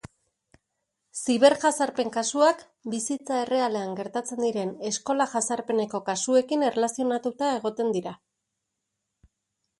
Ziberjazarpen kasuak bizitza errealean gertatzen diren eskola-jazarpeneko kasuekin erlazionatuta egoten dira.